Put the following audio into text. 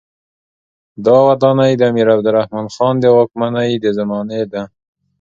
دا ودانۍ د امیر عبدالرحمن خان د واکمنۍ د زمانې ده.